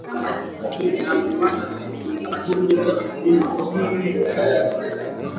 Alichomwa yeye na wenzake wawili Mauaji yaliyoratibiwa kwa karibu sana na Serikali ya Marekani